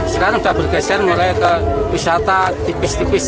sekarang sudah bergeser mulai ke wisata tipis tipis